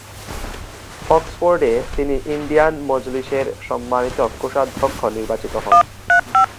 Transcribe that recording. অক্সফোর্ডে তিনি ইন্ডিয়ান মজলিসের সম্মানিত কোষাধ্যক্ষ নির্বাচিত হন।